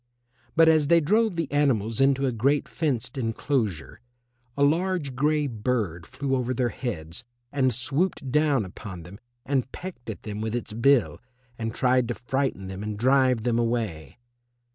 But as they drove the animals into a great fenced enclosure, a large grey bird flew over their heads and swooped down upon them and pecked at them with its bill, and tried to frighten them and drive them away.